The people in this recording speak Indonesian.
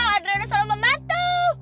adriana selalu membantu